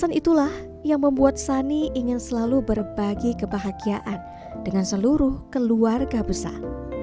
kesan itulah yang membuat sani ingin selalu berbagi kebahagiaan dengan seluruh keluarga besar